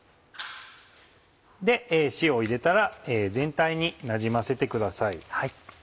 塩を入れたら全体になじませてください。